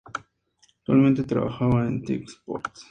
Actualmente trabaja en TyC Sports.